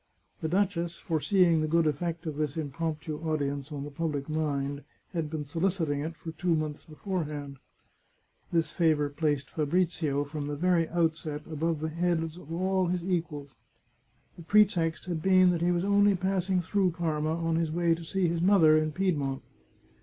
The duchess, foreseeing the good effect of this impromptu audience on the public mind, had been soliciting it for two months beforehand. This favour placed Fabrizio, from the very outset, above the heads of all his equals. The pretext had been that he was only passing through Parma on his way to see his mother in Piedmont.